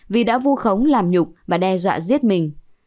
vì đã vu khống làm nhục và đe dọa giết mình